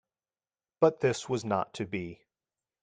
But this was not to be.